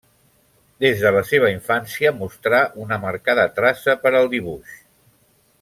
Des de la seva infància mostrà una marcada traça per al dibuix.